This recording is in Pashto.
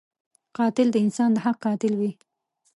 قاتل د انسان د حق قاتل وي